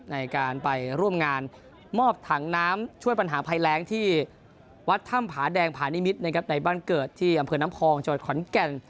ในการไปร่วมงานมอบถังน้ำช่วยปัญหาภัยแรงที่วัดถ้ำผาแดงผานิมิตรนะครับในบ้านเกิดที่อำเภอน้ำพองจังหวัดขอนแก่น